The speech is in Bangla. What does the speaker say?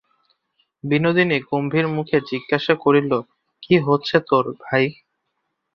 বিনোদিনী গম্ভীরমুখে জিজ্ঞাসা করিল, কী হচ্ছে তোর, ভাই!